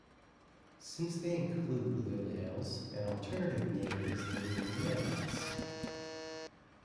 Since they include Liliales, an alternative name is lilioid monocots.